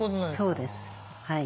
そうです。